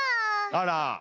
あら。